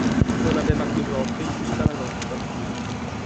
Non aveva chiuso occhio in tutta la notte.